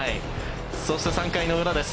そして３回の裏です。